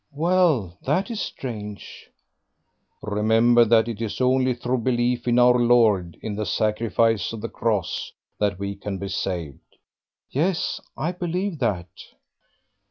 "Well, that is strange." "Remember that it is only through belief in our Lord, in the sacrifice of the Cross, that we can be saved." "Yes, I believe that."